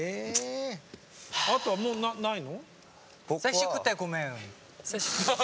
あとはもうないの？